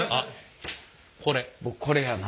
僕これやな。